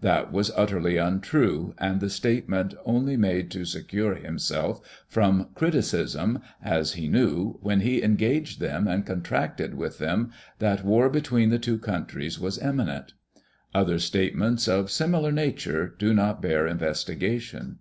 That was utterly untrue, and the statement only made to secure himself from criticism, as he knew, when he engaged them and contracted with them, that war between the two countries was imminent. Other statements, of similar nature, do not bear investigation.